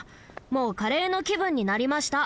もうカレーのきぶんになりました！